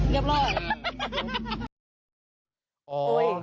เย็บแล้ว